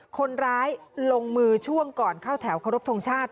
คนร้ายลงมือช่วงก่อนเข้าแถวเคารพทงชาติ